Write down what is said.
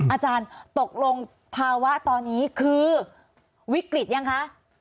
อาจารย์ตกลงภาวะตอนนี้คือวิกฤตยังคะ